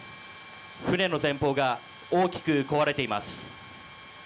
船の前方が大きく壊れています。